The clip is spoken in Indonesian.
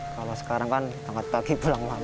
kalau sekarang kan tanggal pagi pulang malam